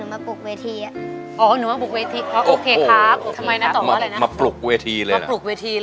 มาปลูกเวทีเลยหรอ